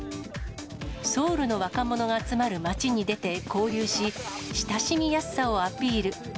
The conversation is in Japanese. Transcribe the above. ソウルの若者が集まる街に出て交流し、親しみやすさをアピール。